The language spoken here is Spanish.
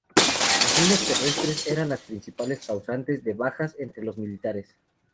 Las minas terrestres eran las principales causantes de bajas entre los militares.